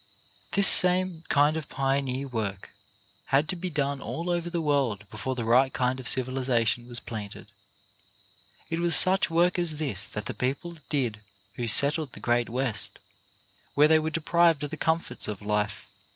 This same kind of pioneer work had to be done all over the world before the right kind of civiliza tion was planted. It was such work as this that the people did who settled the great West, where they were deprived of the comforts of life.